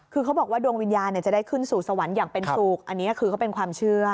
คือเขาบอกว่าดวงวิญญาณจะได้ขึ้นสู่สวรรค์อย่างเป็นสุขอันนี้คือเขาเป็นความเชื่อ